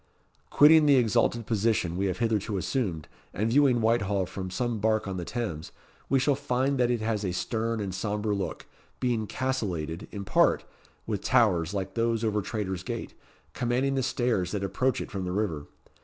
Quitting the exalted position we have hitherto assumed, and viewing Whitehall from some bark on the Thames, we shall find that it has a stern and sombre look, being castellated, in part, with towers like those over Traitor's Gate, commanding the stairs that approach it from the river.